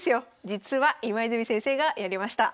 実は今泉先生がやりました。